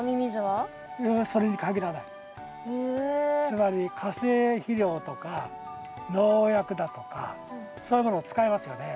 つまり化成肥料とか農薬だとかそういうものを使いますよね。